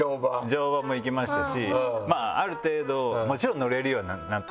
乗馬も行きましたしまぁある程度もちろん乗れるようになって。